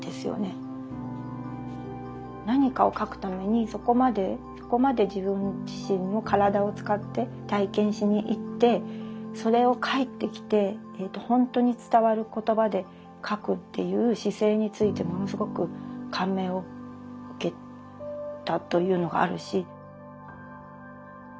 何かを書くためにそこまでそこまで自分自身の体を使って体験しに行ってそれを帰ってきてほんとに伝わる言葉で書くっていう姿勢についてものすごく感銘を受けたというのがあるし。